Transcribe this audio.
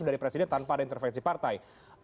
dari presiden tanpa ada intervensi partai